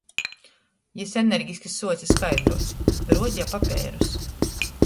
Jis energiski suoce skaidruot, ruodeja papeirus.